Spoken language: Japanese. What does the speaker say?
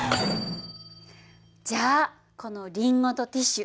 じゃあこのリンゴとティッシュ